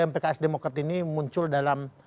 dan pksdmokrat ini muncul dalam